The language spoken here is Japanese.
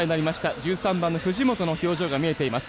１３番の藤本の表情が見えています。